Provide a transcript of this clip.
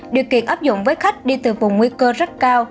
điều kiện áp dụng với khách đi từ vùng nguy cơ rất cao